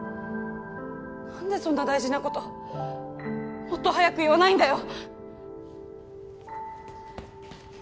何でそんな大事なこともっと早く言わないんだよ